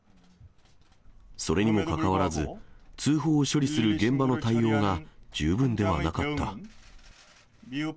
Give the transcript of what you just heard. それにもかかわらず、通報を処理する現場の対応が十分ではなかった。